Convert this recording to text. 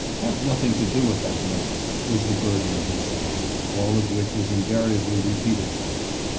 "Have nothing to do with that man" was the burthen of his song, all of which was invariably repeated to me.